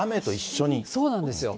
そうなんですよ。